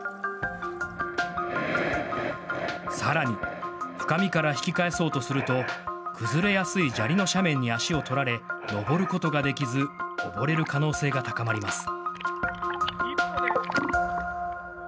さらに深みから引き返そうとすると、崩れやすい砂利の斜面に足を取られ、上ることができず溺れる可能性が高まります。